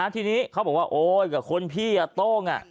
ทีนี้เขาบอกว่าโอ๊ยกับคนพี่โต้ง